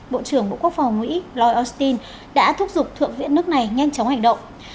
bộ trưởng bộ quốc phòng mỹ lloyd austin đã thúc giục thượng viện nước này nhanh chóng hành động